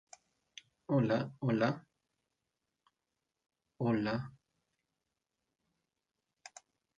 Paysandú quedó eliminado en los Octavos de Final frente a Boca.